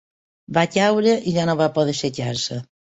Va caure i ja no va poder aixecar-se.